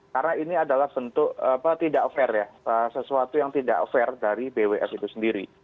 karena ini adalah bentuk tidak fair ya sesuatu yang tidak fair dari bwf itu sendiri